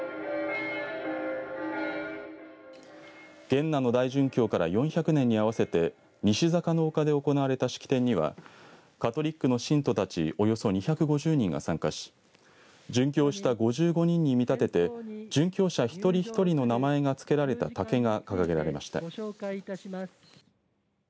元和の大殉教から４００年に合わせて西坂の丘で行われた式典にはカトリックの信徒たちおよそ２５０人が参加し殉教した５５人に見立てて殉教者一人一人の名前がつけられた竹が掲げられました。